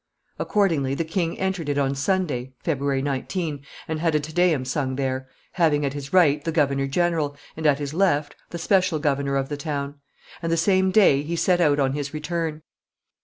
Accordingly, the king entered it on Sunday, February 19, and had a Te Deum sung there, having at his right the governor general, and at his left the special governor of the town; and, the same day, he set out on his return.